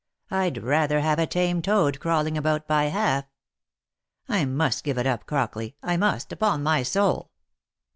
I'd rather have a tame toad crawling about by half. I must give it up, Crockley — I must, upon my soul."